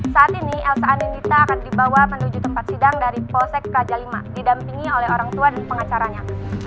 saat ini elsa anindita akan dibawa menuju tempat sidang dari polsek raja lima didampingi oleh orang tua dan pengacaranya